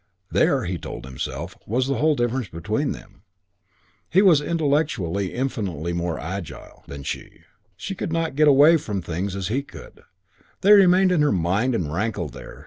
There, he told himself, was the whole difference between them. He was intellectually infinitely more agile (he did not put it higher than that) than she. She could not get away from things as he could. They remained in her mind and rankled there.